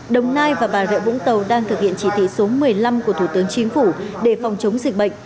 đồng nai và bà rịa vũng tàu đang thực hiện chỉ thị số một mươi năm của thủ tướng chính phủ để phòng chống dịch bệnh